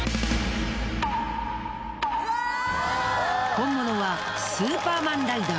本物はスーパーマンライダー。